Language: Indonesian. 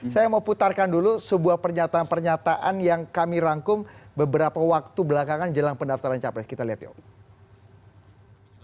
saya mau putarkan dulu sebuah pernyataan pernyataan yang kami rangkum beberapa waktu belakangan jelang pendaftaran capres kita lihat yuk